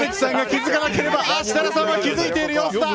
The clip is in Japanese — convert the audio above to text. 設楽さんは気づいている様子だ。